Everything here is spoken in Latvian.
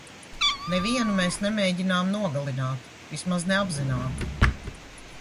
Nevienu mēs nemēģinām nogalināt, vismaz ne apzināti.